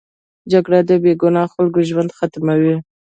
جګړه د بې ګناه خلکو ژوند ختموي